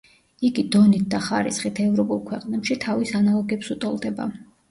იგი დონით და ხარისხით ევროპულ ქვეყნებში თავის ანალოგებს უტოლდება.